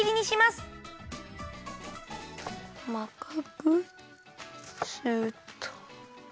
すっと。